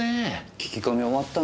聞き込み終わったの？